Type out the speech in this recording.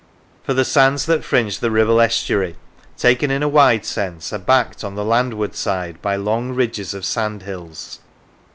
For the sands that fringe the Kibble estuary, taken in a wide sense, are backed on the landward side by long ridges of sandhills.